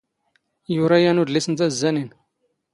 ⵢⵓⵔⴰ ⵢⴰⵏ ⵓⴷⵍⵉⵙ ⵏ ⵜⴰⵣⵣⴰⵏⵉⵏ.